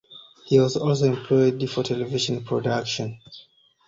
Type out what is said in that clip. He was also employed for television production.